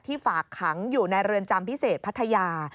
ฝากขังอยู่ในเรือนจำพิเศษพัทยา